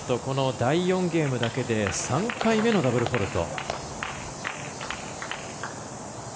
第４ゲームだけで３回目のダブルフォールト。